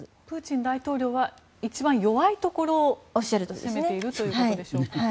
プーチン大統領は一番弱いところを攻めているということでしょうか。